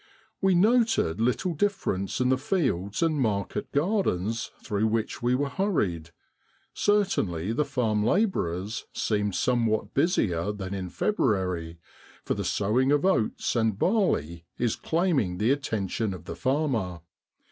We noted little difference in the fields and market gardens through which we were hurried ; certainly the farm labourers seemed somewhat busier than in February, for the sowing of oats and barley is claiming the attention of the farmer.